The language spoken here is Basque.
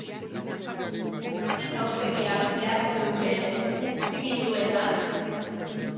Noren aurpegiak beharko luke zigiluetan?